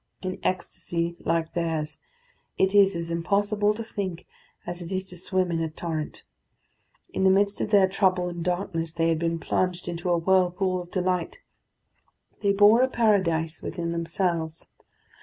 In ecstasy like theirs it is as impossible to think as it is to swim in a torrent. In the midst of their trouble and darkness they had been plunged in a whirlpool of delight; they bore a paradise within themselves.